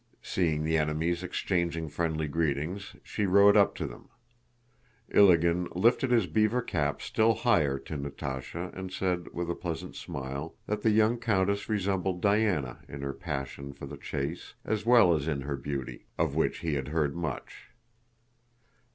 Seeing the enemies exchanging friendly greetings, she rode up to them. Ilágin lifted his beaver cap still higher to Natásha and said, with a pleasant smile, that the young countess resembled Diana in her passion for the chase as well as in her beauty, of which he had heard much.